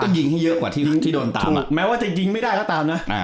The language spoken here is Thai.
ยิงให้เยอะกว่าทีมที่โดนตามแม้ว่าจะยิงไม่ได้ก็ตามนะ